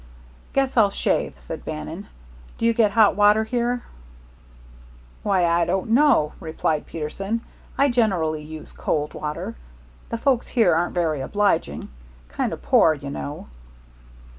"Guess I'll shave," said Bannon. "Do you get hot water here?" "Why, I don't know," replied Peterson. "I generally use cold water. The folks here ain't very obliging. Kind o' poor, you know."